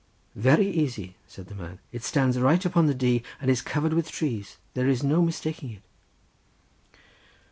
"Very easy," said the man, "it stands right upon the Dee and is covered with trees; there is no mistaking it."